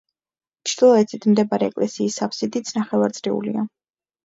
ჩრდილოეთით მდებარე ეკლესიის აფსიდიც ნახევარწრიულია.